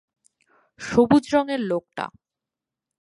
সবুজ রংয়ের লোকটা।